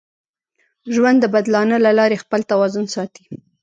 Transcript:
ژوند د بدلانه له لارې خپل توازن ساتي.